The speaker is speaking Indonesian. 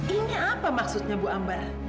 ini apa maksudnya bu ambara